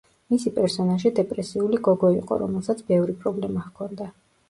მისი პერსონაჟი დეპრესიული გოგო იყო რომელსაც ბევრი პრობლემა ჰქონდა.